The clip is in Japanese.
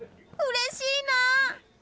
うれしいな！